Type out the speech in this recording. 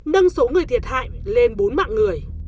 nâng số người thiệt hại lên bốn mạng người